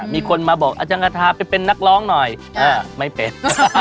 มีคนมาบอกอาจารย์กระทาไปเป็นนักร้องหน่อยไม่เป็น